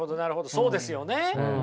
そうですよね。